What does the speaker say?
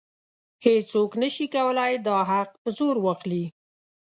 هیڅوک نشي کولی دا حق په زور واخلي.